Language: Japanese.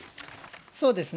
そうですね。